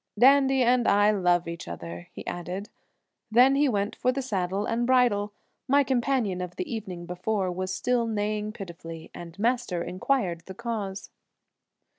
"Dandy and I love each other," he added. Then he went for the saddle and bridle. My companion of the evening before was still neighing pitifully, and Master inquired the cause.